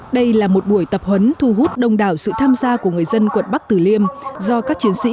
đây là một buổi tập huấn thu hút đông đảo sự tham gia của người dân quận bắc tử liêm do các chiến sĩ